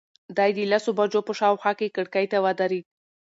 دی د لسو بجو په شاوخوا کې کړکۍ ته ودرېد.